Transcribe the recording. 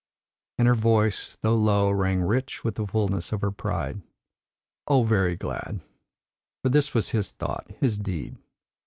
And her voice, though low, rang rich with the fulness of her pride. "Oh, very glad! For this was his thought, his deed.